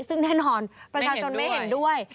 ซึ่งแน่นอนประชาชนไม่เห็นด้วย